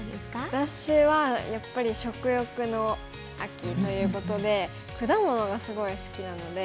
私はやっぱり食欲の秋ということで果物がすごい好きなので。